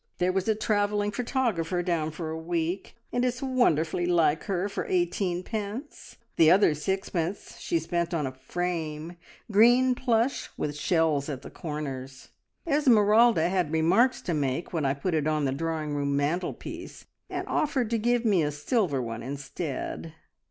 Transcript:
There was a travelling photographer down for a week, and it's wonderfully like her for eighteenpence. The other sixpence she spent on a frame green plush, with shells at the corners. Esmeralda had remarks to make when I put it on the drawing room mantelpiece, and offered to give me a silver one instead."